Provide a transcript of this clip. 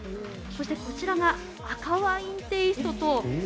そしてこちらが赤ワインテイストと。